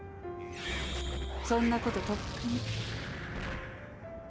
そんなこととっくに。